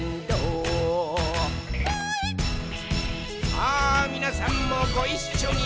さあ、みなさんもごいっしょに！